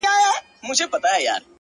• هم قاري سو هم یې ټول قرآن په یاد کړ,